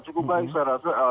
cukup baik saya rasa